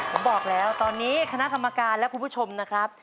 ผมบอกแล้วตอนนี้คณะกรรมการและคุณผู้ชมนะครับ